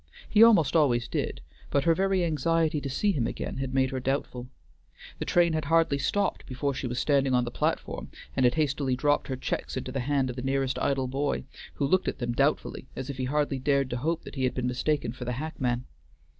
He almost always did, but her very anxiety to see him again had made her doubtful. The train had hardly stopped before she was standing on the platform and had hastily dropped her checks into the hand of the nearest idle boy, who looked at them doubtfully, as if he hardly dared to hope that he had been mistaken for the hackman.